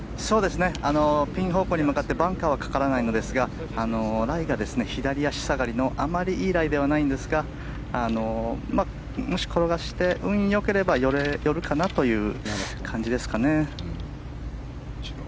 ピン方向に向かってバンカーにはかからないんですがライが左足下がりのあまりいいライではないんですがもし転がして、運が良ければ寄るかなという感じですかね。